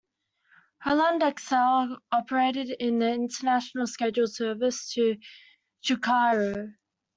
HollandExel operated an international scheduled service to Curaçao.